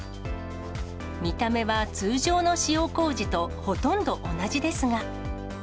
見た目は通常の塩こうじとほとんど同じですが。